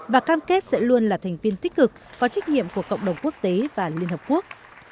và cam kết sẽ luôn là thành viên tích cực có trách nhiệm của cộng đồng quốc tế và liên hợp quốc